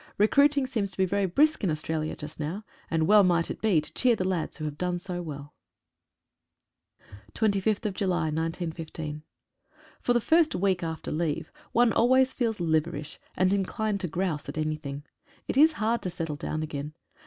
Recruiting seems to be very brisk in Australia just now, and well might it be, to cheer the lads who have done so well. OR the first week after leave one always feels liver ish, and inclined to "grouse" at anything. It is hard to settle down again.